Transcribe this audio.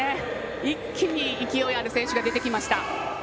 一気に勢いある選手が出てきました。